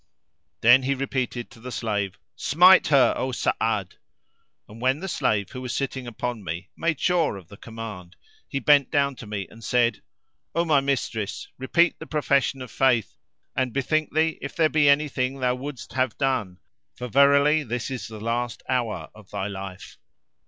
Then he repeated to the slave, "Smite her, O Sa'ad!" And when the slave who was sitting upon me made sure of the command he bent down to me and said, "O my mistress, repeat the profession of Faith and bethink thee if there be any thing thou wouldst have done; for verily this is the last hour of thy life."